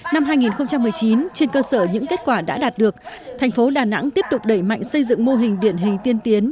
năm hai nghìn một mươi chín trên cơ sở những kết quả đã đạt được thành phố đà nẵng tiếp tục đẩy mạnh xây dựng mô hình điển hình tiên tiến